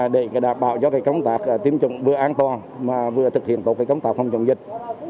để đảm bảo cho các công tác tiêm chủng vừa an toàn mà vừa thực hiện tổ chức công tác phòng chống dịch